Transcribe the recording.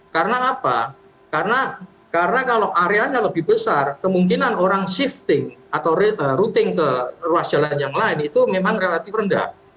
karena apa karena kalau areanya lebih besar kemungkinan orang shifting atau routing ke ruas jalan yang lain itu memang relatif rendah